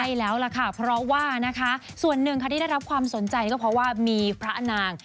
ใช่แล้วล่ะค่ะเพราะว่านะคะส่วนหนึ่งค่ะที่ได้รับความสนใจก็เพราะว่ามีพระนาง